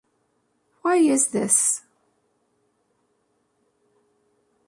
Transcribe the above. Why is this?